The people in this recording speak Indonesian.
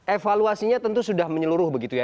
evaluasinya tentu sudah menyeluruh begitu ya